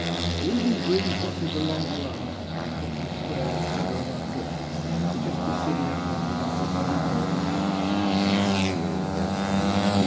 The evening breeze rustled the long grass, and across the square the figure of our cook could just be seen, outlined against the ruddy glow of the fire in the hut behind him.